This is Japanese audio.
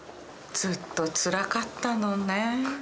ずっとつらかったのね。